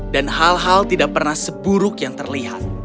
dan hal hal tidak pernah seburuk yang terlihat